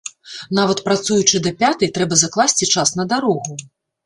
Нават працуючы да пятай, трэба закласці час на дарогу.